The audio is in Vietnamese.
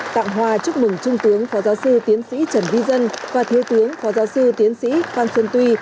tặng hòa chúc mừng trung tướng phó giáo sư tiến sĩ trần huy dân và thiếu tướng phó giáo sư tiến sĩ phan xuân tuy